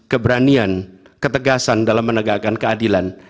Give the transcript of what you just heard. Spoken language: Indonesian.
keberanian ketegasan dalam menegakkan keadilan